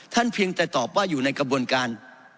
เพียงแต่ตอบว่าอยู่ในกระบวนการ